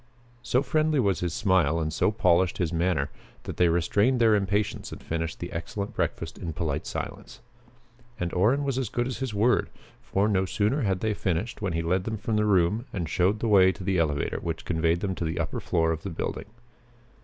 So friendly was his smile and so polished his manner that they restrained their impatience and finished the excellent breakfast in polite silence. And Orrin was as good as his word, for, no sooner had they finished when he led them from the room and showed the way to the elevator which conveyed them to the upper floor of the building.